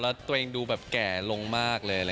แล้วตัวเองดูแบบแก่ลงมากเลย